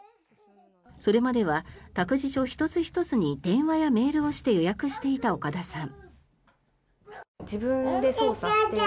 それまでは、託児所１つ１つに電話やメールをして予約をしていた岡田さん。